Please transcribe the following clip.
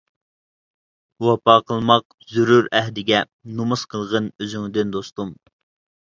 ۋاپا قىلماق زۆرۈر ئەھدىگە، نومۇس قىلغىن ئۆزۈڭدىن دوستۇم.